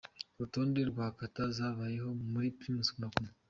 Urutonde rwa Kata zabayeho muri Primus Guma Guma:.